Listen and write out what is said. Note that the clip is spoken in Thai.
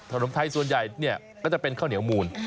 ขนมไทยส่วนใหญ่เนี่ยก็จะเป็นข้าวเหนียวมูล